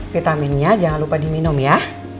vitaminnya jangan lupa diminum ya